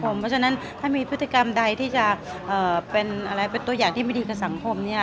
เพราะฉะนั้นถ้ามีพฤติกรรมใดที่จะเป็นตัวอย่างที่ไม่ดีกับสังคมเนี่ย